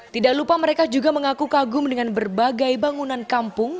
tidak lupa mereka juga mengaku kagum dengan berbagai bangunan kampung